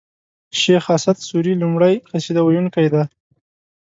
شېخ اسعد سوري لومړی قصيده و يونکی دﺉ.